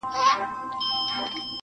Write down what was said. دا به څوک وي چي بلبل بولي ښاغلی-